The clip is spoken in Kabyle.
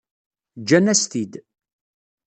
Ǧǧan-as-t-id.